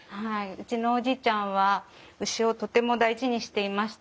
うちのおじいちゃんは牛をとても大事にしていました。